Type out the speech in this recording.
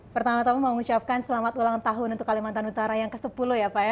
pertama tama mengucapkan selamat ulang tahun untuk kalimantan utara yang ke sepuluh ya pak ya